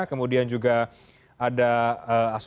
kemudian juga ada asi